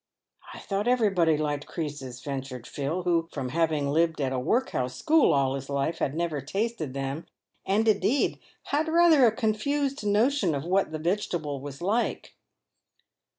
" I thought everybody liked creases," ventured Phil, who, from having lived at a workhouse school all his life, had never tasted them, and, indeed, had rather a confused notion of what the vegetable was like.